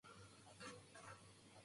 犬は庭で元気に遊んでいます。